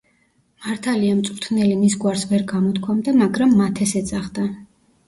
მართალია, მწვრთნელი მის გვარს ვერ გამოთქვამდა, მაგრამ მათეს ეძახდა.